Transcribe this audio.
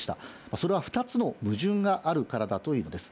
それは２つの矛盾があるからだというんです。